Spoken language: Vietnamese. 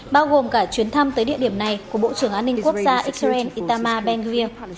bao gồm cả chuyến thăm tới địa điểm này của bộ trưởng an ninh quốc gia israel itamar ben gurion